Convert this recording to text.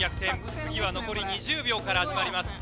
次は残り２０秒から始まります。